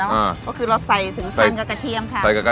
คนที่มาทานอย่างเงี้ยควรจะมาทานแบบคนเดียวนะครับคนที่มาทานแบบคนเดียวนะครับ